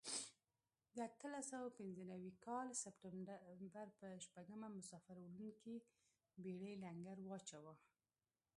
د اتلس سوه پنځه نوي کال سپټمبر په شپږمه مسافر وړونکې بېړۍ لنګر واچاوه.